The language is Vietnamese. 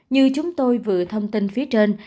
như chúng tôi vừa thông tin phía trên